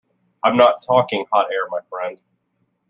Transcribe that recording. I’m not talking hot air, my friend.